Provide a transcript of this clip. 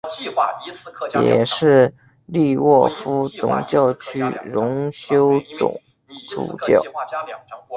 也是利沃夫总教区荣休总主教。